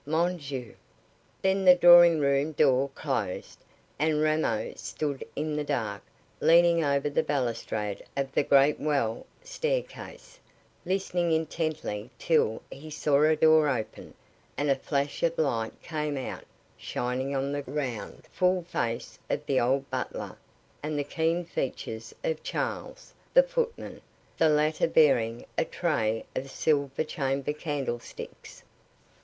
Mon Dieu!" Then the drawing room door closed, and Ramo stood in the dark, leaning over the balustrade of the great well staircase, listening intently till he saw a door open, and a flash of light came out, shining on the round, full face of the old butler, and the keen features of Charles, the footman, the latter bearing a tray of silver chamber candlesticks.